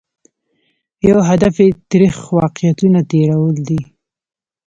یو هدف یې ترخ واقعیتونه تېرول دي.